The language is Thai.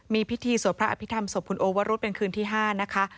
มีพิธีสวดพระอภิษฐรรศพคุณโอวรุษเป็นคืนที่๕นะคะ